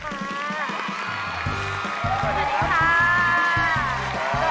สวัสดีค่ะ